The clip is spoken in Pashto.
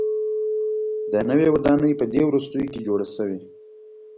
دا نوې ودانۍ په دې وروستیو کې جوړه شوې.